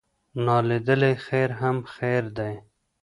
نا لیدلی خیر هم خیر دی.